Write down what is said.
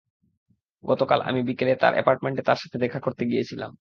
গতকাল, আমি বিকেলে তার অ্যাপার্টমেন্টে তার সাথে দেখা করতে গিয়েছিলাম।